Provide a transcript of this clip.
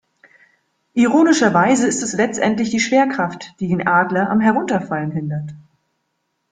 Ironischerweise ist es letztendlich die Schwerkraft, die den Adler am Herunterfallen hindert.